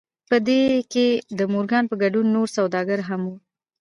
په دې کې د مورګان په ګډون نور سوداګر هم وو